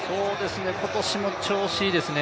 今年も調子いいですね。